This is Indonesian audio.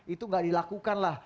itu enggak dilakukan lah